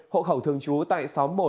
hộ khẩu thường trú tại xóm một